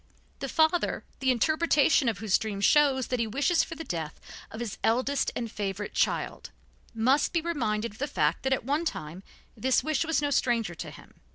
The father, the interpretation of whose dream shows that he wishes for the death of his eldest and favorite child, must be reminded of the fact that at one time this wish was no stranger to him.